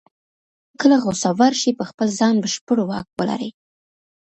کله غوسه ورشي په خپل ځان بشپړ واک ولري.